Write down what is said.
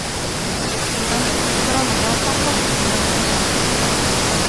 운전수를 끌어내려 퍽퍽 두드려 주고 싶었다.